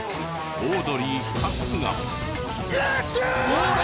オードリー春日。